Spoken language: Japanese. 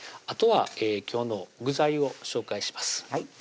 あとは今日の具材を紹介します